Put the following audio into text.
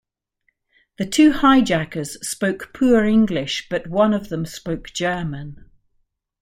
The two hijackers spoke poor English, but one of them spoke German.